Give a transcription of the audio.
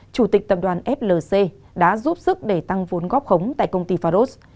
chủ tịch tập đoàn flc đã giúp sức để tăng vốn góp khống tại công ty faros